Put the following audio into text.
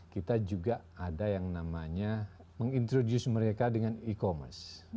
kita juga ada yang namanya mengintroduce mereka dengan e commerce